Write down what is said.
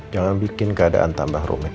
jangan bikin keadaan tambah rumit